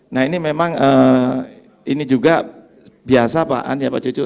nah ini memang ini juga biasa pak anies ya pak cucu